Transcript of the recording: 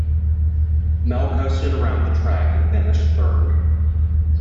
Mel coasted around the track and finished third.